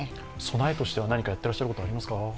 備えとしては何かやっていらっしゃることはありますか？